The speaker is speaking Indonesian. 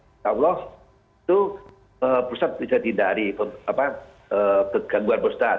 insya allah itu prostat tidak dihindari kegangguan prostat